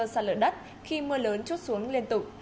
sạt lở đất khi mưa lớn chút xuống liên tục